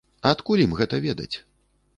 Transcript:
Адкуль ім гэта ведаць?